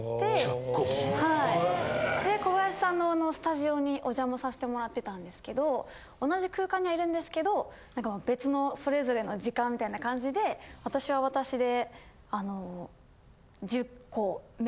１０個。で小林さんのスタジオにお邪魔させてもらってたんですけど同じ空間にはいるんですけど何かもう別のそれぞれの時間みたいな感じで私は私で。